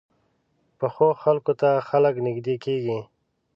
پخو خلکو ته خلک نږدې کېږي